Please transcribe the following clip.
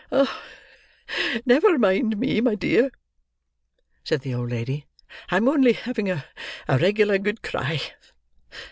"Never mind me, my dear," said the old lady; "I'm only having a regular good cry.